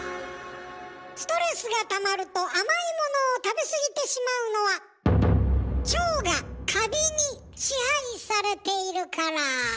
ストレスがたまると甘いものを食べ過ぎてしまうのは腸がカビに支配されているから。